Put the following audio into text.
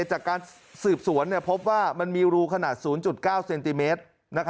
จากการสืบสวนพบว่ามันมีรูขนาด๐๙เซนติเมตร